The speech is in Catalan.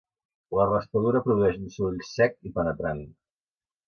La raspadura produeix un soroll sec i penetrant.